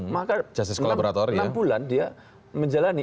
maka enam bulan dia menjalani